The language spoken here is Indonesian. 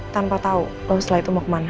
tanpa tau lu setelah itu mau kemana